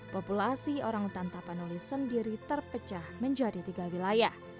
populasi orangutan tapanuli sendiri terpecah menjadi tiga wilayah